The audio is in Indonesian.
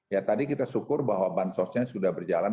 ya tadi kita syukur bahwa bantuan sosial sudah berjalan